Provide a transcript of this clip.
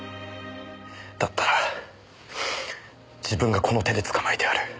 だったら自分がこの手で捕まえてやる。